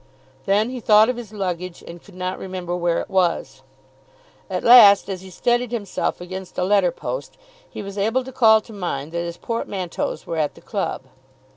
Then he thought of his luggage, and could not remember where it was. At last, as he steadied himself against a letter post, he was able to call to mind that his portmanteaus were at the club.